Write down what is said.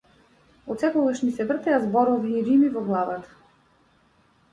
Отсекогаш ми се вртеа зборови и рими во главата.